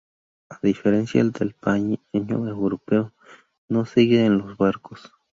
A diferencia del paíño europeo, no sigue a los barcos.